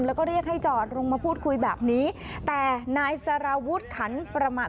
แล้วก็เรียกให้จอดลงมาพูดคุยแบบนี้แต่นายสารวุฒิขันประมาท